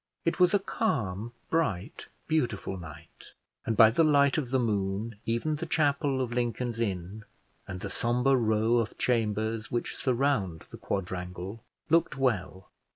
It was a calm, bright, beautiful night, and by the light of the moon, even the chapel of Lincoln's Inn, and the sombre row of chambers, which surround the quadrangle, looked well.